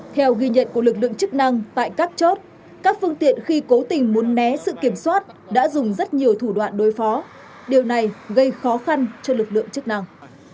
theo ghi nhận của lực lượng chức năng tại các chốt các phương tiện khi cố tình muốn né sự kiểm soát đã dùng rất nhiều thủ đoạn đối phó điều này gây khó khăn cho lực lượng chức năng